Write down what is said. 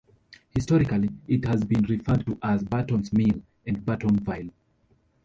Historically, it has been referred to as Barton's Mill and Bartonville.